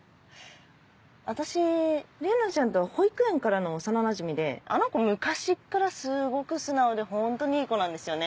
私玲奈ちゃんとは保育園からの幼なじみであの子昔っからすごく素直でホントにいい子なんですよね。